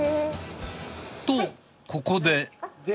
とここで。